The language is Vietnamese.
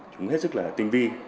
chúng hết sức là tinh vi